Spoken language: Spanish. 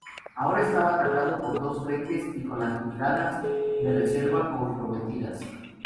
Ahora estaba atacado por dos frentes y con las brigadas de reserva comprometidas.